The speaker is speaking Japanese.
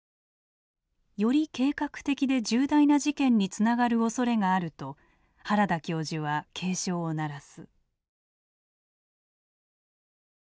より計画的で重大な事件につながるおそれがあると原田教授は警鐘を鳴らす。